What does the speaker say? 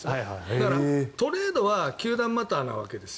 だからトレードは球団マターなわけです。